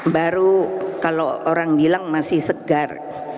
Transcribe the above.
baru kalau orang bilang masih segar